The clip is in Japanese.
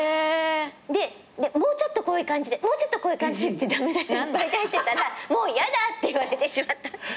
でもうちょっとこういう感じでもうちょっとこういう感じでって駄目出しいっぱい出してたら「もうやだ」って言われてしまった。